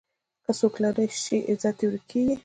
که څوک لرې شي، عزت یې ورک کېږي.